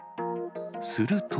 すると。